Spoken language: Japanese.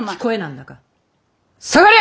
下がりゃ！